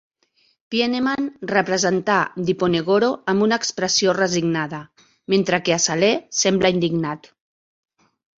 Pieneman representà Diponegoro amb una expressió resignada, mentre que a Saleh sembla indignat.